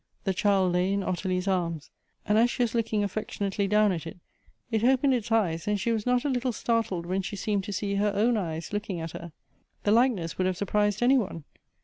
The child lay in Otti lie's ai ms, and as she was looking affectionately down at it, it opened its eyes and she was not a little startled when she seemed to see her own eyes looking at her. The likeness would have surprised any one.